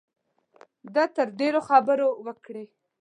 ده تر ډېرو خبرې وکړې.